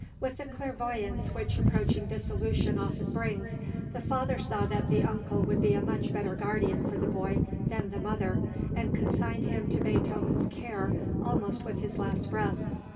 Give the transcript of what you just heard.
With the clairvoyance which approaching dissolution often brings, the father saw that the uncle would be a much better guardian for the boy, than the mother, and consigned him to Beethoven's care almost with his last breath.